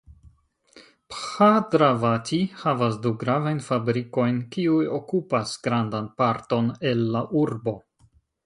Bhadravati havas du gravajn fabrikojn kiuj okupas grandan parton el la urbo.